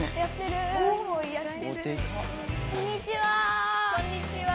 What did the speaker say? こんにちは。